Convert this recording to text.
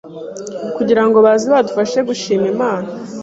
kugira ngo baze badufashe gushima Imana